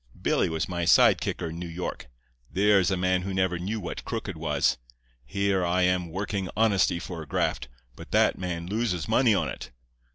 Billy was my side kicker in New York. There is a man who never knew what crooked was. Here I am working Honesty for a graft, but that man loses money on it.